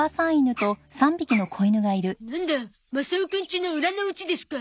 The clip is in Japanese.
なんだマサオくんちの裏の家ですか。